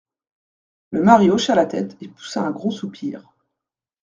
Le mari hocha la tête et poussa un gros soupir.